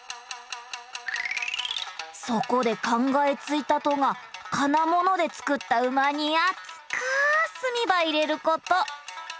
そこで考えついたとが金物で作った馬に熱か炭ば入れること。